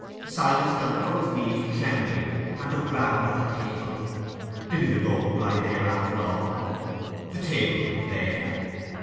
Silas got up from his knees trembling, and looked round at the table: didn't the gold lie there after all? The table was bare.